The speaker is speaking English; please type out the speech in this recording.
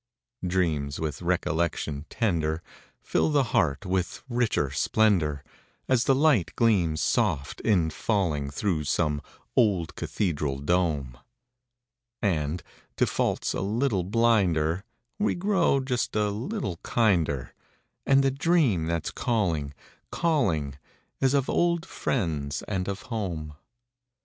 D REAMS \9ith recollection tender Fill the Heart Ntfith richer ' splendor, As the light gleams soft in jullinq Through some ola cathedral dome ; And, to faults a little blinder, ADe gt'oxtf just a little hinder, And the dream that's call inq, calling , old friends and o home.